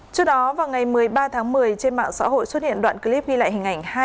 trước đó vào ngày một mươi ba tháng một mươi trên mạng xã hội xuất hiện đoạn clip ghi lại hình ảnh